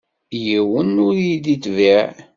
Yiwen ur yi-d-yetbiɛ.